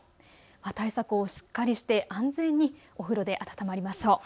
対策をしっかりとして安全にお風呂で温まりましょう。